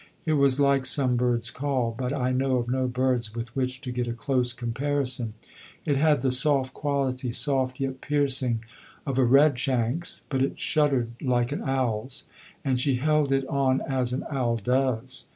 It was like some bird's call, but I know of no bird's with which to get a close comparison. It had the soft quality, soft yet piercing, of a redshank's, but it shuddered like an owl's. And she held it on as an owl does.